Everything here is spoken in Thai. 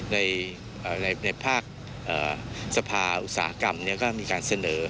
ในภาคสภาอุตสาหกรรมก็มีการเสนอ